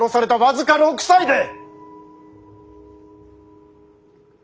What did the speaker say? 僅か６歳で！